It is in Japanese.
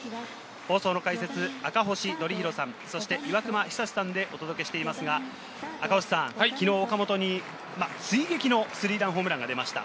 放送の解説・赤星憲広さん、そして岩隈久志さんでお届けしていますが、昨日、岡本に追撃のスリーランホームランが出ました。